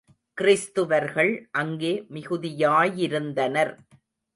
கிறிஸ்துவர்கள் அங்கே மிகுதியாயிருந்தனர்.